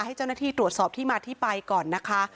ให้เจ้าหน้าที่ตรวจสอบที่มาที่ไปก่อนนะคะ